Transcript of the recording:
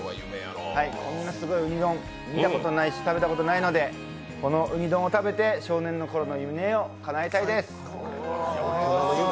こんなすごいウニ丼、見たことないし食べたことないのでこのウニ丼を食べて少年のころの夢をかなえたいです。